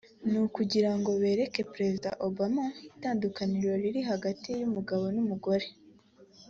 ni ukugira ngo bereke Perezida Obama itandukaniro riri hagati y’umugabo n’umugore